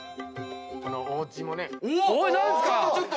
このおうちもねおっ！